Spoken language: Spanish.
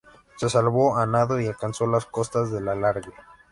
Se salvó a nado y alcanzó las costas del Algarve.